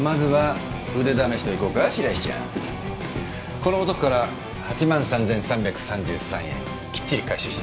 この男から８３，３３３円きっちり回収してきて。